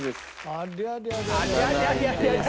ありゃりゃりゃ。